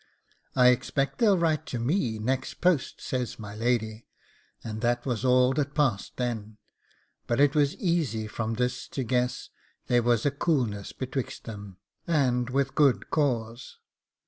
'I expect they'll write to ME next post,' says my lady, and that was all that passed then; but it was easy from this to guess there was a coolness betwixt them, and with good cause.